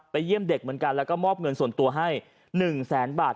เยี่ยมเด็กเหมือนกันแล้วก็มอบเงินส่วนตัวให้๑แสนบาท